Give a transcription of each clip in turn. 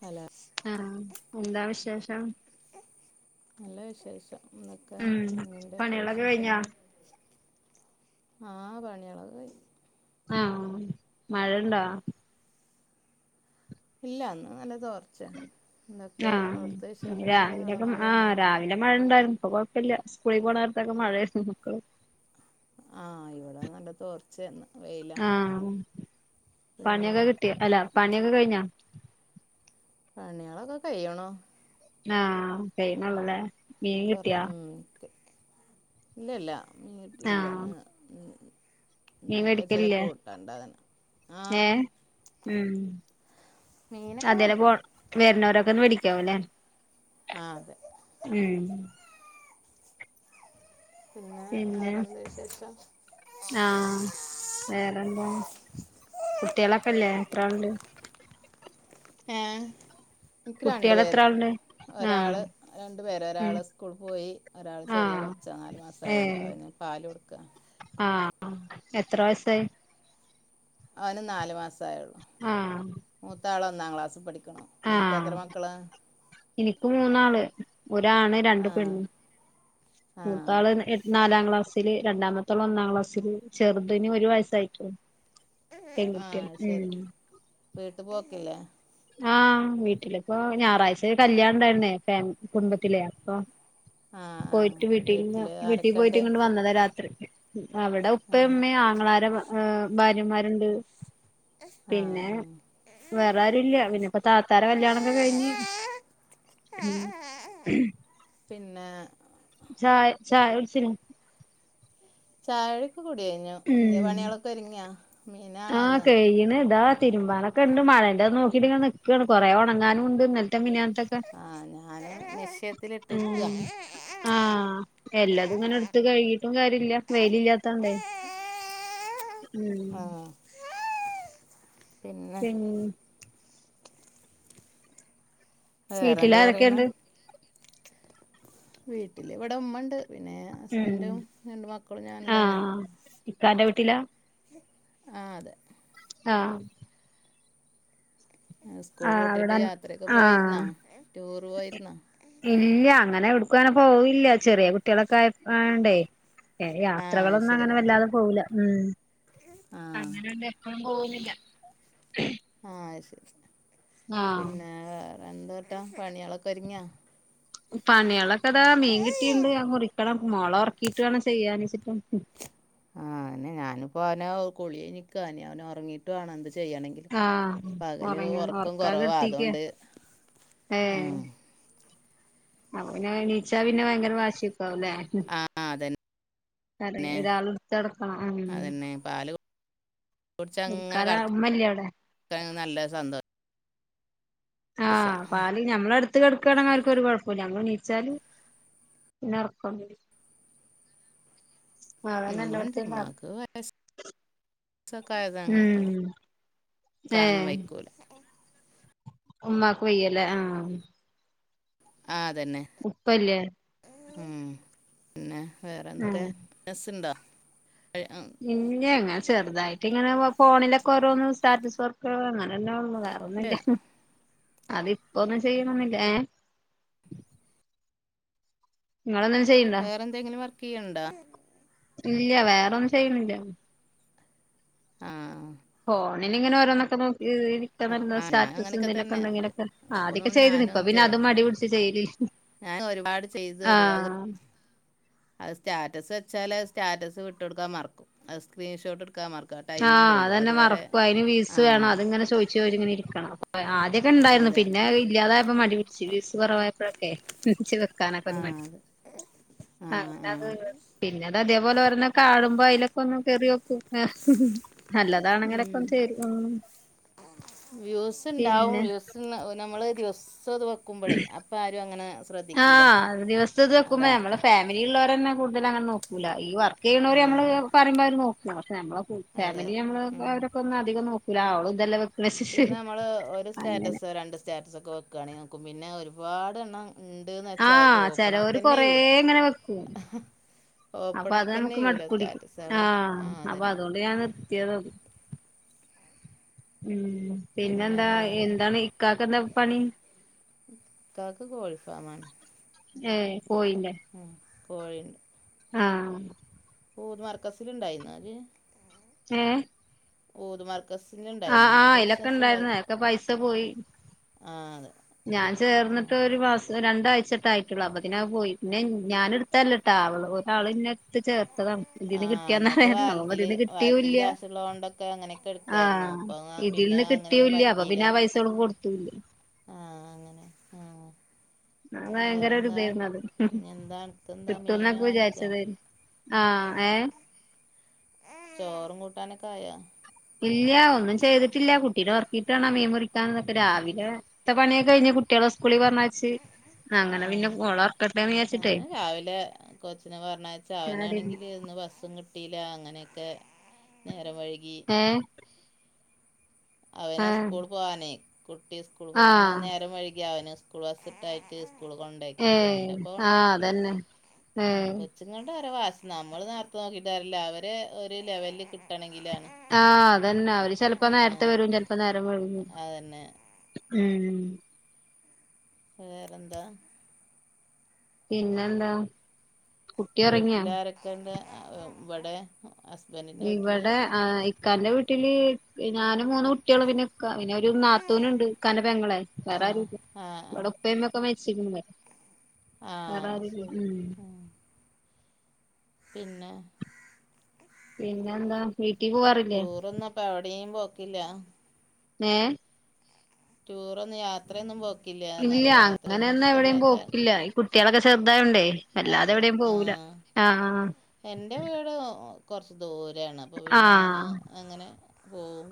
Hello ആഹ് എന്താ വിശേഷം നല്ല വിശേഷം എന്തെക്കെ ഉം നിങ്ങടെയക്കെ പണികളൊക്കെ കഴിഞ്ഞാ വിശേഷങ്ങള് ആഹ് പണിയൊക്കെ കഴിഞ്ഞ് ആഹ് മഴയുണ്ടോ ഇല്ല ഇന്ന് നല്ല തോർച്ചയാ എന്തൊക്കെ ആഹ് അവിടുത്തെ വിശേഷങ്ങള് അവിടെ മഴയാണോ ഇവിടെ മഴ ഉണ്ടായിരുന്നു ഇപ്പൊ കുഴപ്പില്ല സ്കൂളിൽ പോണ നേരത്തൊക്കെ മഴയായിരുന്നു മക്കള് ആ ഇവിടെ നല്ല തോർച്ചയാ നല്ല വെയില. ആഹ് പണിയൊക്കെ കിട്ടിയോ അല്ല പണിയൊക്കെ കഴിഞ്ഞോ? പണിയളൊക്കെ കഴിയണു. ആ കഴിയുന്നെ ഉള്ളല്ലേ. കൊറെ ഉം ഇല്ലല്ല മീൻ ആഹ് കിട്ടില്ലന്ന്. മീൻ ഇന്നലത്തെ ചെലേ മേടിക്കലില്ലേ കൂട്ടാൻ ഉണ്ടാതിന് ആ. ഏഹ് ഉം മീനൊക്കെ വരുന്ന്. വരണോരേക്ക്ന്ന് മേടിക്കാവൂലേ. ആഹ് അതെ. മ്മ്. പിന്നെ വേറെന്ത് വിശേഷം? ആ വേറെന്താ കുട്ട്യളക്കില്ലേ എത്ര ഉണ്ട്. ഏ എനിക്ക് രണ്ടു കുട്ടികൾ എത്ര പേര് ആളുണ്ട് ആഹ് ഒരാള്. രണ്ടു പേരെ ഉം ഒരാള് സ്കൂൾ പോയി ഒരാള് ചെറിയ ആഹ് കൊച്ച നാല് മാസായുള്ളൂ അവന് പാല് കൊടുക്ക. ആ എത്ര വയസായി? അവന് നാല് മാസായുള്ളൂ. ആഹ്. മൂത്താള് ഒന്നാം ക്ലാസ്സി പഠിക്കണു. ആ നിനക്ക് എത്ര മക്കളാ എനിക്ക് മൂന്നാള് ഒരാണ് രണ്ട് ആഹ് പെണ്ണ്. മൂത്താള് ആഹ് നാലാം ക്ലാസ്. രണ്ടാമത്തോള് ഒന്നാം ക്ലാസ്സില് ചെറുതിന് ഒരു വയസ്സായിട്ടുള്ളു. ആ പെൺകുട്ടിയാണ് ശരി ഉം വീട്ട് പോക്കില്ലേ? ആ വീട്ടിലിപ്പോ ഞായറാഴ്ചരു കല്യാണം ഇണ്ടായിരുന്നേ കുടുംബത്തിലെ അപ്പൊ. ആഹ് ആഹ് പോയിട്ട് വീട്ടീന്ന് വീട്ടില് വീട്ടീ ആരൊക്കെണ്ട് പോയിട്ടിങ്ങട് വന്നതാ രാത്രി. അവിടെ ആഹ് ഉപ്പമ്മേ ആങ്ങളാര ഏ ഭാര്യമാരുണ്ട്. പിന്നെ ആഹ് വേറാ രൂല്ല്യ പിന്നെ ഇപ്പ താത്താരെ കല്യാണക്കെ കയിഞ്ഞ്. പിന്നെ. ചായ, ചായ കുടിച്ചിനി. ചായൊക്കെ കൂടി കയിഞ്ഞു ഇന്റെ പണികളൊക്കെ ഒരുങ്ങിയാ. ആ മീനാണോ ഇന്ന് കയിയണ് ദാ തിരുമ്പാനൊക്കെണ്ട് മഴയണ്ട് നോക്കിയിട്ടിങ്ങനെ നിക്കാണ് കൊറെ ഒണങ്ങാനുണ്ട് ഇന്നലെ ഇന്നലത്തെ മെനിയാന്നതൊക്കെ ആഹ് ഞാന് നിശ്ചയത്തിലിട്ടിരിക്കാ ആ. ആ എല്ലതും ഇങ്ങനെടുത്ത് കഴുകിട്ടും കാര്യല്ല വെയിലില്ലാത്തോണ്ടെ. ആഹ്. പിന്നെ പിൻ വീട്ടില് വേറെന്ത് പറയണ്. ആരൊക്കെയുണ്ട് വീട്ടിലിവിടെ ഉമ്മണ്ട് പിന്നെ ഉം ഹസ്ബന്റും രണ്ട് മക്കളും ഞാനും തന്നെ. ഇക്കാൻ്റെ വീട്ടിലാ? ആഹ് അതെ. ആഹ്. ഇസ്കൂൾ ആഹ് പൂട്ടിട്ട് അവിടെ യാത്രൊക്കെ ആഹ് പോയിരുന്ന ടൂറ് പോയിരുന്ന? ഇല്ല അങ്ങനെ എവിടേക്കുങ്ങനെ പോയില്ല ചെറിയ കുട്ടികളൊക്കെ ആയ ആയോണ്ടേ ഏ ആഹ് യാത്രകളൊന്നും അങ്ങനെ ശരിയാ വല്ലാതെ പോവില്ല. മ്മ് ആഹ് അങ്ങനൊണ്ട് എപ്പം പോവുന്നില്ല. ആ ശരി പിന്നെ വേറെന്തൂട്ട പണികളൊക്കെ ഒരിങ്ങിയാ? പണികളക്കെ ദാ മീൻ കിട്ടിണ്ട് ഒരുങ്ങിയാ അത് മുറിക്കണം മോളെ ഒറക്കിട്ട് വേണം ചെയ്യാന് വെച്ചിട്ട അനെ ഞാനിപ്പ അവനെ കുളി കയിഞ്ഞ് നിക്കാ അവനിനി ഒറങ്ങിട്ടു വേണം എന്ത് ചെയ്യണെങ്കിൽ ആഹ് പകല് ഒറങ്ങ ഒറക്കം ഒറക്കാൻ കൊറവാ കെടത്തിക്ക അതൊണ്ട് ആഹ അപ്പപിന്നെ എണീച്ച പിന്നെ ഭയങ്കര വാശിക്കാവല്ലേ ആഹ ആഹ അതന്നെ അതെ ഒരാൾ എടുത്ത് നടക്കണം ഉം പാലു കുടിച്ചങ്ങനെ എടുക്കാന് ഉമ്മല്ലേ അവിടെ കെടക്കാൻ നല്ല സന്തോ ആഹ് [unintelligible] പാല് ഞമ്മളടുത്ത് കെടക്കുകയാണെ അവർക്കരു കൊഴപ്പയില്ല ഞമ്മള് ഇണ്ണീച്ചാല് പിന്നെ ഉറക്ക അതന്നെ ഇമ്മിണ്ട് എല്ലോടത്തും ഇണ്ടാവല് ഇമ്മാക്ക് വയസ്സൊക്കെ ആയതാണ് എടു ഉം ഏ ക്കാനൊന്നും വയിക്കൂലേ ഉമ്മാക്ക് വയ്യല്ലേ ആഹ ആഹ അതന്നെ ഉപ്പല്ലേ ഉം പിന്നെ വേറെ ആ എന്താക്കെയ ബസന്താ ആഹ പിന്നെ എങ്ങെ ചെറുതായിട്ട് ഇങ്ങനെ ഫോണിലൊക്കെ ഓരോന്ന് സ്റ്റാറ്റസ് വർക്ക അങ്ങനെള്ളോ വേറന്നില്ല ഇല്ല അതിപ്പോൊന്നും ചെയ്യണന്നില്ലേ ഏഹ് നിങ്ങളെന്തിലും ചെയ്യണ്ട എന്തെങ്ങിലും വർക്ക് ചെയ്യണണ്ട ഇല്ല വേറെൊന്നും ചെയ്യുന്നില്ല ആഹ ഫോണിനിങ്ങനെ ഓരോന്നൊക്കെ നോക്കി ഇ ആ ഞാൻ സ്റ്റാറ്റസ് അങ്ങനെയൊക്കെ തന്നെ ഒരു എന്തെലൊക്കെണ്ടെനിലൊക്കെ ആദ്യ അതൊക്കെ ഇപ്പൊന്നും ചെയ്ത് നി ഇപ്പൊ ഞാനൊന്നും പിന്നെ അത് ചെയ്യണ്ട മടി പിടിച്ച് ചെയ്ല് ഞാൻ ഒരുപാട് ചെയ്ത് ഒരുപാട് അത് സ്റ്റാറ്റസ് വെച്ചാല്ത് സ്റ്റാറ്റസ് വിട്ട് കൊടുക്കാൻ മറക്കും അത് സ്ക്രീൻഷോട്ട് എടുക്കാൻ മറക്കും ആ ടൈമാൻ ആഹ് കഴിയും അതന്നെ അതുവരെ മറക്കു അതിന് വീസ് ആ വേണം അത് ഇങ്ങനെ ചോദിച്ചു ചോിങ്ങനെ ഇരിക്കണം ഇൊക്കെ ഉണ്ടായിരുന്നു അതെ പിന്നെ ഇല്ലാതായപ്പോ മടി പിടിച്ചു വീസ് കുറവായപ്പോഴൊക്കെ [unintelligible] വെക്കാനക്കൊ ആ രു മടി അതെ ആ [unintelligible] ത പിന്നെട് അതേപലോരോന്ന് കാണുമോ അതിലൊക്കെ ഒന്ന് കയറിയോക്കും നല്ലതാണങ്ങനൊക്കെ [unintelligible] വ്യൂസ് ഉണ്ടാവും വ്യൂസ് നമ്മൾ ദിവസ് നക്കുമ്പോളേ അപ്പം ആരും അങ്ങനെ ശ്രദ്ധിക്കൂല ആഹ് ദിവസം ഇത് വെക്കുമ്പോ അതാണ് നമ്മളെ ഫാമിലി ഉള്ളവർ തന്നെ കൂടുതല അങ്ങനെ നോക്കൂല ഈ വർക്ക് ചെയ്യണവര് ആ നമ്മള് പറുമ്പോ അവര് നോക്ക പക്ഷെ നമ്മള അതെ ഫാമിലി നമ്മള് ഉം. അവരൊക്കെ ഒന്നും അധികം നോക്കൂല ആളും എന്തെല്ലാം പിന്നെ നമ്മൾ ഒരു സ്റ്റാറ്റസ് രണ്ട് സ്റ്റാറ്റസൊക്കെ വെക്കുകയാണെങ്കിൽ നോക്കും പിന്നെ ഒരുപാടെണ്ണം ആഹ ചിലവര് കൊറെ ചെയ്യൂല ഇങ്ങനെ വെക്കും അപ്പൊ അത് ഓപ്പണാക്കന്നെ നമുക്ക് ചെയ്യൂല മടക്ക കുടിക്കും സ്റ്റാറ്റസ് ആവോ ആ അപ്പൊ അതന്നെ അതുകൊണ്ട് ഞാൻ നിർത്തിയത ഉം പിന്നെ പിന്നെന്താ വേറെ എന്താണ് ഇക്കാക്ക എന്താ പണി ഇക്കാക്ക് കോഴിഫാമാണ് ഏഹ പോയില്ല കോഴുണ്ട് ആഹ പോഓ മർക്കസില ഉണ്ടായിരുന്നു അല് ഏഹ് ഊത് മർക്കസിന് ഉണ്ടായിരുന്നു ആഹ് ആഹ് അങ്ങനെ ബിസിന അയിലൊക്കെ ഇണ്ടായിരുന്നു ഉണ്ടായിരുന്നു അതൊക്കെ പൈസ പോയി ആഹ അത് ഞാൻ ചേർന്നിട്ട് ഒരു മാസം രണ്ടാഴ്ചട്ട ആയിട്ടുള്ളു അപ്പത്തിന് അത് പോയി പിന്നെ ഞാന ഇത്തല്ല ട്ടാ അവള് ഒരാൾ ഇന്നെ എത്ത് ചേർത്തതാണ് ഇതിന്ന് ആഹ് അന്നൊക്കെ കിട്ടിയാന്നറിയാൻ നോക്കുമ്പോ വാലറ്റില് ഇതിന്ന് വാലറ്റില് കിട്ടിയൂല്ല കാശ്ള്ളതോണ്ടൊക്കെ അങ്ങനൊക്കെ ഇടുക്കായ്രുന്നു ആഹ് അപ്പൊ പിന്നെ ഇതിൽന്ന് അങ്ങനെയൊന്നും കിട്ടിയൂല്ല അപ്പൊ പറ്റീല്ല പിന്നെ ആ പൈസ ഓൾക്ക് കൊടുത്തൂല്ല ആഹ് അങ്ങനെ ആഹ ആ ഭയങ്കര ഇതേയ്ര്ന്നത് ഇനി എന്താ അനക്കെന്താ മീൻ കിട്ടൂന്നൊക്കെ വാങ്ങിക്കാ വിചാരിച്ചതേര്ന്ന് ആഹ് ഏഹ് ചോറും കൂട്ടാനൊക്കെ ആായ ഇല്ല ഒന്നും ചെയ്തിട്ടില്ല കുട്ടീനെ ഉറക്കിയിട്ട് വേണം മീൻ മുറിക്കാൻ ന്നൊക്കെ രാവിലെ ഇ പണിയൊക്കെ കഴിഞ് കുട്ടിയാളെ സ്കൂളിൽ പറഞ്ഞയച്ച് അങ്ങനെ പിന്നെ വള ഞാന് രാവിലെ കൊച്ചിന് പറഞ്ഞാഴച്ച് അങ്ങനടിരുന്ന് അവനാണെങ്കിൽ ഇരുന്ന് ബസ്സും കിട്ടീല്ല അങ്ങനെയൊക്കെ നേരം വെഴുകി ഏഹ് അവന് ആഹ് സ്കൂൾ പോവാനെ കുട്ടി സ്കൂൾ പോകാന് ആഹ് നേരം വെഴികി അവന് സ്കൂൾ ബസ്സിട്ടായിട്ട് സ്കൂൾ കൊണ്ടാക്കി ഏഹ് അവൻന്റെ ഇപ്പ ആഹ് കൊണ്ടാക്കി അതന്നെ അ ഏഹ് അച്ച്ചും കൊണ്ട് അവരോ വാസ് നമ്മള് നേർത്ത് നോക്കിയിട്ട് കാര്യല്ല അവരെ ഒരു ലെവലിൽ കിട്ടണമെങ്കിലാണ് ആഹ് അതന്നെ അവര് ചെലപ്പോ നേരത്തെ ആഹ് വരും ചെലപ്പോ നേരം വൈകും അതന്നെ ഉം വേറെന്താ പിന്നെന്താ കുട്ടി ഒറങ്ങിയോ വീട്ടിലാരൊക്കെണ്ട് ഇവിടെ ഹസ് ഇവടെ ആ ഇക്കാന്റെ വീട്ടില് ഞാനും മൂന്ന് കുട്ടിയാളും പിന്നെക്ക പിന്നെ ഒരു നാത്തൂന് ഉണ്ട് ഇക്കാന്റെ പെങ്ങളെ വേറെ ആരു ആഹ് ആഹ് ഇവടെ ആഹ് ഉപ്പേം ഉമ്മേം ഒക്കെ മരിച്ചികണ് വേറെ ആഹ് ആരുല്ല ശരി ഇമ് ഉം പിന്നെ പിന്നെന്താ വീട്ടി പോവാറി ടൂർ ഒന്നും അപ്പ എവടിം പോക്കില്ല ഏഹ് ടൂർ ഒന്നും യാത്രയൊന്നും പോ ഇല്ല അങ്ങനെയൊന്നും എവിടേയും പോക്കില്ല കുട്ടിയാളൊക്കെ ചേർതായോണ്ടേ വല്ലാതെ അതെ എവിടെയും ആ പോകൂല ആഹ് അഹ് എൻ്റെ വീട് കൊറച്ച് ദൂരെണ് അപ്പോ പിന്നെ ഞാന് ആഹ് അങ്ങനെ പോകും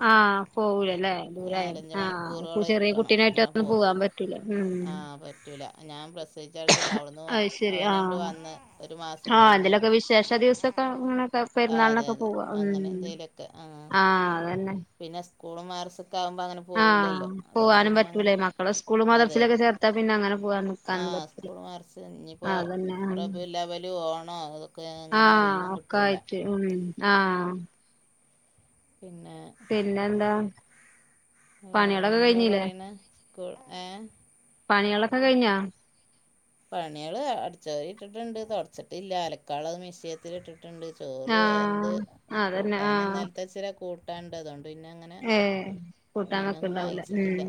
പോകൂലല്ലേ ദൂരായ ആ ഇപ്പ മണിക്കൂറോളം ചെറിയ ഇരിക്കണം കുട്ടീനെറ്റൊന്നും പോവാാൻ പറ്റൂല മം പറ്റൂല ഞൻ പ്രസവിച്ച് പിന്നെ അത് ശരി അവനെണ്ട് ആഹ് വന്ന് ഒരു മാസം ആഹ് കഴിഞ്ഞ് എന്തേലൊക്കെ വിശേഷ ദിവസൊക്കെ അങ്ങനൊക്കെ ആ അതെ പെരുന്നാളിനൊക്കെ അതെ പോവാ ഉം അങ്ങനെ എന്തേലൊക്കെ ആ ആഹ് അതന്നെ പിന്നെ സ്കൂളും മഹ്റസ്സൊക്കെ ആകുമ്പങ്ങനെ ആ പോവാനും പറ്റൂലയ് മക്കളെ സ്കൂള് അതെ മദ്രസിലൊക്കെ അതെ ചേർത്താ പിന്നെ അങ്ങനെ പോകാ ആ സ്കൂൾ മദ്രസ് ഇഞ്ഞി ഇപ്പോ റബീഉൽ അവ്വൽ ഓണോ അങ്ങനെ ഒഴിവും കിട്ടൂല മം ആ പിന്നെ പിന്നെന്താ പണികളൊക്കെ വേറെന്താ കഴിഞ്ഞില്ലേ പറയ്ണെ ക് ഏ പണിയാളൊക്കെ കഴിഞ്ഞോ പണിയാള് അടിച്ച് വാരി ഇട്ടിട്ട്ണ്ട് തൊടച്ച്ട്ടില്ല അലക്കാള്ളത് മിശ്യേത്തില് ഇട്ടിട്ട്ണ്ട് ചോറ് വെന്ത് ആഹ് അതന്നെ കൂട്ടാനും ആഹ് ഇന്നൽത്തെച്ചിനെ കൂട്ടാണ്ട് അതോണ്ട് പിന്നെ അങ്ങനെ ഏ കൂട്ടാൻ മീനൊന്നും വെക്ക്ണ്ടാവൂല വാങ്ങിച്ചിട്ടില്ല ഉം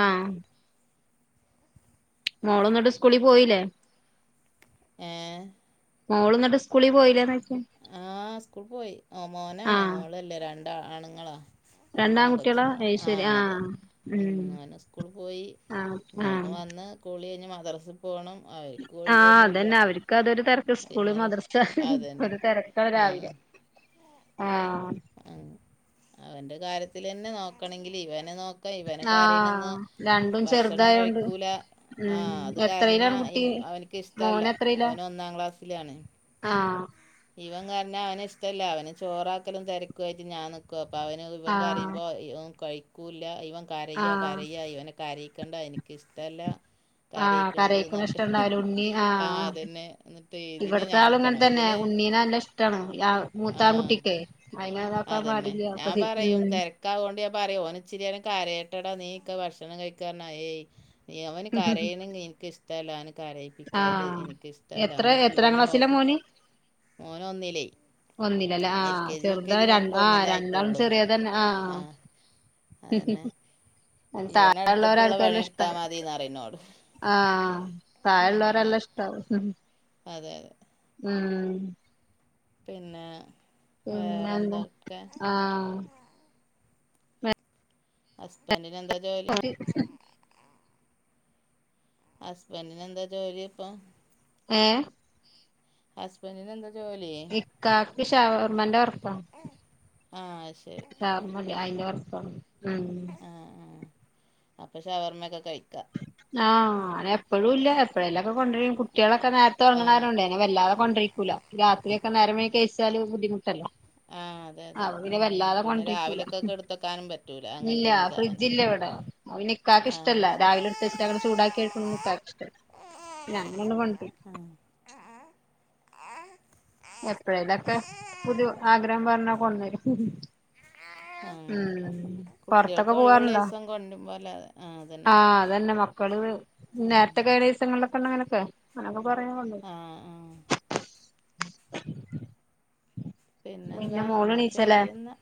ആഹ് മോള്ന്ന്ട്ട് സ്കൂളി പോയിലെ ഏഹ് മോള് ന്ന്ട്ട് സ്കൂളി പോയില്ലേന്നോയ്ക്യ ആഹ് സ്കൂൾ പോയി മോനാണ് ആഹ് മോളല്ല രണ്ട് ആണ്ങ്ങളാ രണ്ടാൺകുട്ടികളാ രണ്ടാങൊച്ച്ങ്ങളാ അയ് ശരി ആഹ് അതെ ഉം അങ്ങനെ സ്കൂൾ പോയി ആഹ് ഞവ്ട്ന്ന് ആഹ് വന്ന് കുളി കഴിഞ്ഞ് മദ്രസ് പോണം അവര്ക്കും ഒഴിവൊന്നുല്ല ക്കതൊരു തെരക്ക് സ്കൂള് മദ്രസ അതുതന്നെ ഒരു തെരക്ക ആ രാവിലെ ആഹ് ഉം അവൻ്റെ കാര്യത്തിലെന്നെ നോക്കണെങ്കില് ഇവനെ നോ ക്ക ഇവന് കരയ്ണന്ന് ആഹ് രണ്ടും ഭക്ഷണം ചെറുതായോണ്ട് കഴിക്കൂല ആ ഉം അത് കരഞ്ഞാ എത്രയിലാണ് അയ് കുട്ടി അവന് ക്കിഷ്ടല്ല മോന് എത്രയിലാ അവന് ഒന്നാം ക്ലാസ്സിലാണ് ആഹ് ഇവൻ കരഞ്ഞാ അവന് ഇഷ്ടല്ല അവന് ചോറാക്കലും തെരക്വായിട്ട് ഞാൻ നി ക്കും അപ്പവന് ഇവൻ ആഹ് കരയുമ്പോ ഒന്നും കഴിക്കൂല്ല ഇവൻ കരയ ആഹ് കരയ ഇവന് കരീക്കണ്ട ഇൻക്കിഷ്ടല്ല ആഹ് കരയിക്കണത് കരയിക്കണ ന്ന്ർഞ്ട്ട് ഇഷ്ടണ്ടാവൂല ഉണ്ണി ആ ആഹ് അതെന്നെ ന്ന്ട്ട് ഇതിനെ ഞാട്ക്കണം ഉണ്ണിനെ നല്ല ഇഷ്ടാണ് യാ മൂത്താൻകുട്ടിക്ക് അതെന്നെ ഞാൻ പറയും ഉം തെര ക്കാവോണ്ട് ഞാൻ പറിം ഓന് ഇച്ചിരിയേരം കരയെട്ടെടാ നീക്ക ഭക്ഷണം കഴിക്കാന്ന് പർഞ ഏയ് എ അവന് കരയ്ണെ ഇൻക്കിഷ്ട്ടല്ല അവന് കരയിപ്പിക്കര്ത് ആഹ് ഇൻക്കിഷ്ട്ടല്ല എത്ര മ്മച്ചി എത്രാം വനെ ക്ലാസ്സിലാ നോക്കി മോന് ഓനൊന്നിലെ ഒന്നിലല്ലേ എൽ ആഹ് കെ ജി യു കെ ചെറുതാ കേജിം കയ്ഞ് രണ്ട് പ്പൊ ആഹ് രണ്ടാളും ഒന്നിലായ്റ്റൊള്ളു ചെറിയതന്നെ ആഹ് അതെന്നെ ഇവെനെട്ത്ത്ട്ടെള്ള താഴെള്ളോരാർക്കും നല്ല ഇഷ്ടാ പണിട്ത്താ മതിന്നറിം ഇന്നോട് തായെള്ളോരെ നല്ലെഷ്ട്ടാവും ഉം അതെ അതെ ഉം പിന്നെ പിന്നെന്താ വേറെന്തൊക്കെ ആഹ് ഹസ്ബെന്റിനെന്താ [inaudible] ഹസ്ബെന്റിനെന്താ ജോലി ഇപ്പൊ ഏഹ് ഹസ്ബെന്റിനെന്താ ഇക്കാക്ക് ഷവർമെന്റെ വർക്ക ആഹ് അത് ശ ശരി [unintelligible] വർക്കാണ് ഉം ആഹ് ആഹ് അപ്പൊ ഷവർമൊക്കെ കഴ്‌ ആഹ് അയ്നെപ്പളുല്ല എപ്പഴെലൊക്കെ കൊണ്ട്രും കുട്ട്യാളൊക്കെ നേര്ത്തെ ആഹ് ഒർങ്ങ്ണാരോണ്ടെ പിന്നെ വെല്ലാതെ കൊണ്ടിരിക്കൂല രാത്രി ഒക്കെ നേരം വൈകി കയ്ച്ചാല് ബുദ്ധിമുട്ടല്ലെ ആഹ് അതെ അതെ അപൊ പിന്നെ ഉം വെല്ലാതെ പിന്നെ കൊണ്ട്രിക്കൂല രാവിലെക്കൊക്കെ എടുത്തെക്കാനും പറ്റൂല ഇല്ല അങ്ങനത്തെയൊന്നും സാധനങ്ങൾ ഫ്രിഡ്ജില്ലവടെ അത് പിന്നെ ഇക്കാക്ക് ആഹ് ഇഷ്ട്ടല്ല ശരി രാവിലെ എടുത്ത് വെച്ചിട്ട് അങ്ങട് ചൂടാക്കി ആഹ് [unintelligible] എപ്പെഴേലൊക്കെ പുതു ആഗ്രഹം പർഞ്ഞാ കൊട്ന്നെരും. ആഹ് ഉം പൊർത്തൊക്കെ കുട്ടികൾക്ക് ഒഴിവുള്ള പോവാറുണ്ടോ ദിവസം കൊണ്ടുമ്പോലതെ ആഹ് അതന്നെ ആഹ് അതെന്നെ മക്കള് ആഹ് നേരെത്തെ കേറിയ ദിവസങ്ങളിലൊക്കെ ഇണ്ടങ്കിലൊക്കെ അങ്ങെനെയൊക്കെ ആഹ് ആഹ് [unintelligible] പിന്നെന്താ ഇന്നാ ശെരി എന്നാ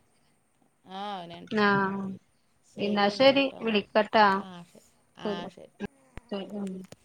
ആഹ് അവൻ എണിച്ച് ഇന്നാ ശെരി വിളിക്കാട്ടാ ആഹ് ശരി ആഹ് ശരി ശരി ഉം [unintelligible]